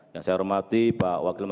yang saya hormati pak wakil menteri